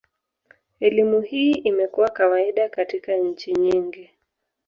Elimu hii imekuwa kawaida katika nchi nyingi.